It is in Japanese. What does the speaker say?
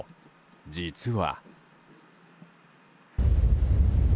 実は。